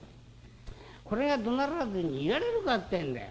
これがどならずにいられるかってえんだよ。